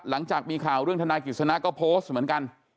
หลังจากมีข่าวเรื่องธนายกิจสนะก็โพสต์เหมือนกัน